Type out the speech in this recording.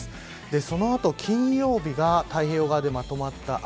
その後、金曜日が太平洋側でまとまった雨。